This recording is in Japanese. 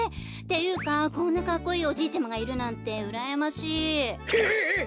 ていうかこんなかっこいいおじいちゃまがいるなんてうらやましい。